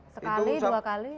sekali dua kali